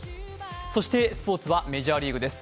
そしてスポーツはメジャーリーグです。